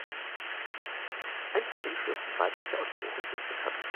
Ein paar Inschriften weiblicher Autoren sind bekannt.